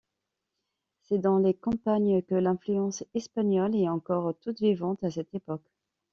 C'est dans les campagnes que l'influence espagnole est encore toute vivante à cette époque.